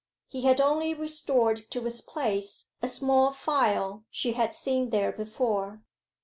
He had only restored to its place a small phial she had seen there before.